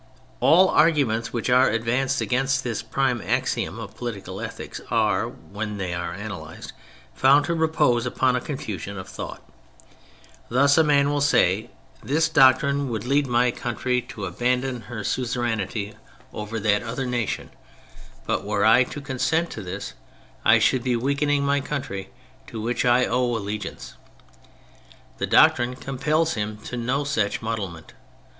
All arguments which are advanced against this prime axiom of political ethics are, when they are analysed, found to repose upon a confusion of thought. Thus a man will say, " This doctrine would lead my country to 18 THE FRENCH REVOLUTION abandon her suzerainty over that other nation, but were I to consent to this, I should be weakening my country, to which I owe allegi ance.*' The doctrine compels him to no such muddlement.